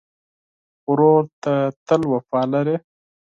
ورور ته تل وفا لرې.